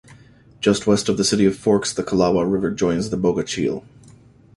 Just west of the city of Forks the Calawah River joins the Bogachiel.